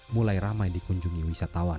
mulai ramai dikunjungi wisatawan